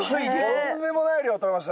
とんでもない量採れました。